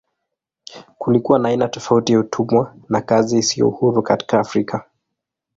Kulikuwa na aina tofauti za utumwa na kazi isiyo huru katika Afrika.